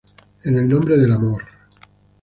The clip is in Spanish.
En el Nombre del Amor".